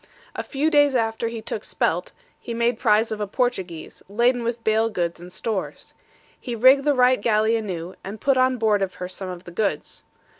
A few days after he took Spelt, he made prize of a Portuguese, laden with bale goods and stores. He rigged the Wright galley anew, and put on board of her some of the goods.